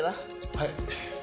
はい。